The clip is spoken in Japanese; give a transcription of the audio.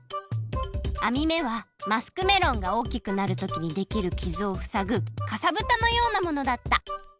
あみめはマスクメロンがおおきくなるときにできるきずをふさぐかさぶたのようなものだった！